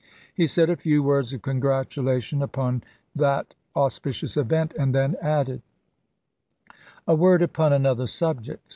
He said a few words of congratulation upon that auspicious event, and then added : A word upon another subject.